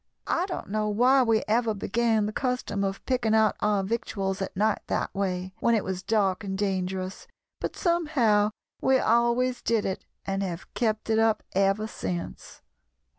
"I don't know why we ever began the custom of picking out our victuals at night that way, when it was dark and dangerous, but somehow we always did it, and have kept it up ever since."